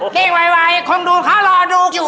นี่ไวคงดูเขารอดูอยู่